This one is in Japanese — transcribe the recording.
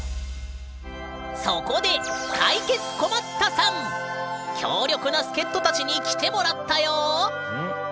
そこで強力な助っとたちに来てもらったよ！